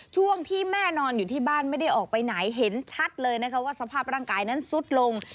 ช่วงที่แม่นอนอยู่ที่บ้านไม่ได้ออกไปไหนเห็นชัดเลยนะคะว่าสภาพร่างกายนั้นซุดลง